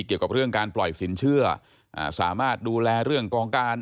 เกี่ยวกับเรื่องการปล่อยสินเชื่อสามารถดูแลเรื่องกองการ